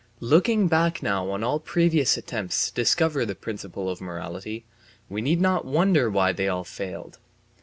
Looking back now on all previous attempts to discover the principle of morality, we need not wonder why they all failed.